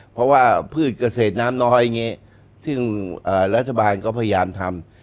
เพราะว่าพืชเกษตรน้ำน้อยอย่างนี้ซึ่งรัฐบาลก็พยายามทำ